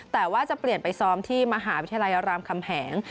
แต่ว่าจะเปลี่ยนไปซ้อมที่มหาวิทยาลัยรามคำแหง